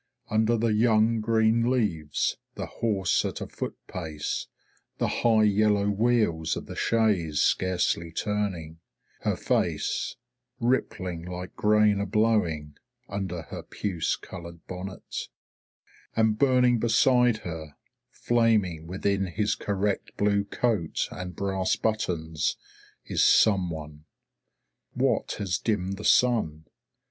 Under the young green leaves, the horse at a foot pace, the high yellow wheels of the chaise scarcely turning, her face, rippling like grain a blowing, under her puce coloured bonnet; and burning beside her, flaming within his correct blue coat and brass buttons, is someone. What has dimmed the sun?